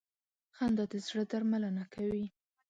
• خندا د زړه درملنه کوي.